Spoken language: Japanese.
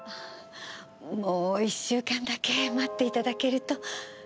もう１週間だけ、待っていただけると。